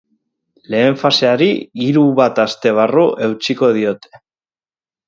Lehen faseari hiru bat aste barru eutsiko diote.